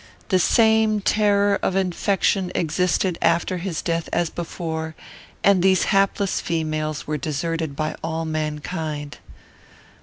The same terror of infection existed after his death as before, and these hapless females were deserted by all mankind.